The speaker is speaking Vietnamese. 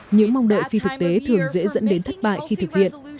những mong đợi phi thực tế thường dễ dẫn đến thất bại khi thực hiện